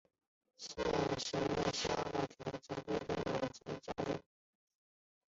现时为香港田径队队员及教练。